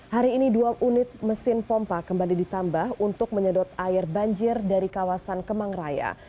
hari ini dua unit mesin pompa kembali ditambah untuk menyedot air banjir dari kawasan kemang raya